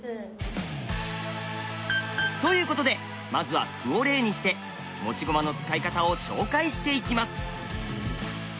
ということでまずは歩を例にして持ち駒の使い方を紹介していきます。